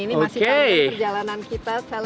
masih tanda perjalanan kita